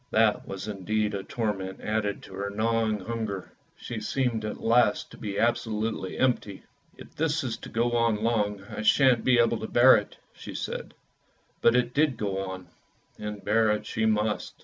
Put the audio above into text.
That was indeed a torment added to her gnawing hunger; she seemed at last to be absolutely empty. " If this is to go on long I shan't be able to bear it," said she; but it did go on, and bear it she must.